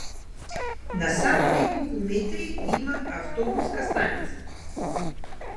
На само неколку метри има автобуска станица.